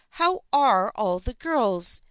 How are all the girls ?